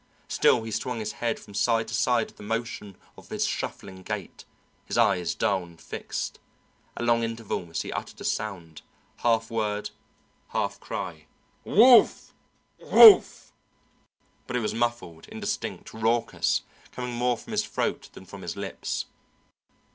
Still he swung his head from side to side with the motion of his shuffling gait, his eyes dull and fixed. At long intervals he uttered a sound, half word, half cry, "Wolf wolf!" but it was muffled, indistinct, raucous, coming more from his throat than from his lips.